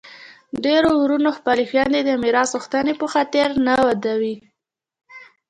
ډیری وروڼه خپلي خویندي د میراث غوښتني په خاطر نه ودوي.